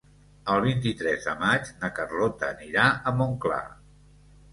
El vint-i-tres de maig na Carlota anirà a Montclar.